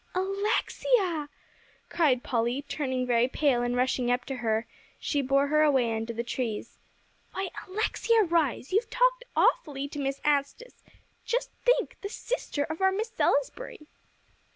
"Alexia!" cried Polly, turning very pale; and, rushing up to her, she bore her away under the trees. "Why, Alexia Rhys, you've talked awfully to Miss Anstice just think, the sister of our Miss Salisbury!"